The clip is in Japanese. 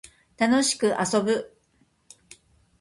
楽しく遊ぶ